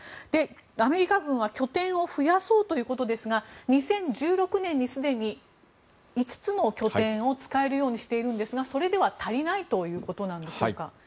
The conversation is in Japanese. アメリカ軍は拠点を増やそうということですが２０１６年にすでに５つの拠点を使えるようにしているんですがそれでは足りないということなんでしょうか。